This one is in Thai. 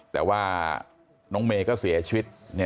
แต่ว่าน้องเมย์ก็เสียชีวิต